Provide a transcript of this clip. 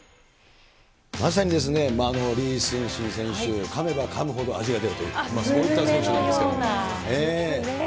まさにですね、李承信選手、かめばかむほど味が出るといった、そういった選手なんですけどね。